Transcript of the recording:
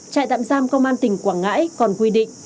trại tạm giam công an tỉnh quảng ngãi còn quy định